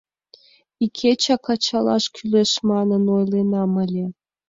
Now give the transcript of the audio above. Икечак ачалаш кӱлеш манын ойленам ыле.